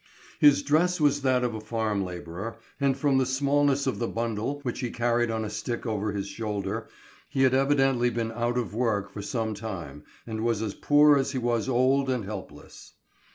His dress was that of a farm laborer, and from the smallness of the bundle which he carried on a stick over his shoulder, he had evidently been out of work for some time and was as poor as he was old and helpless.